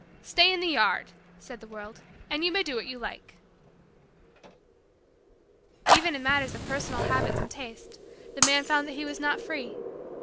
Stay in the yard," said the world, "and you may do what you like." Even in matters of personal habits and taste, the man found that he was not free.